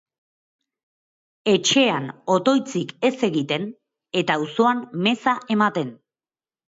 Etxean otoitzik ez egiten, eta auzoan meza ematen.